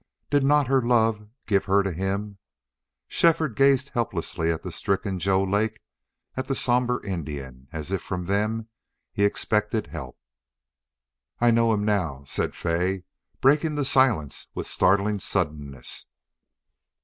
Did not her love give her to him? Shefford gazed helplessly at the stricken Joe Lake, at the somber Indian, as if from them he expected help. "I know him now," said Fay, breaking the silence with startling suddenness.